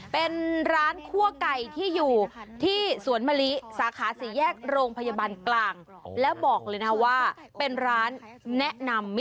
เป็นร้านคั่วไก่ที่อยู่ที่สวนมะลิสาขาสี่แยกโรงพยาบาลกลาง